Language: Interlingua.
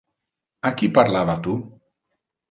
A qui parlava tu?